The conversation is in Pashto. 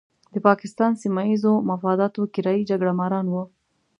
د پاکستان سیمه ییزو مفاداتو کرایي جګړه ماران وو.